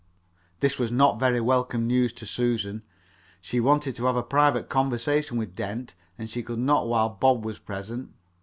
This was not very welcome news to Susan. She wanted to have a private conversation with Dent, and she could not while Bob was present.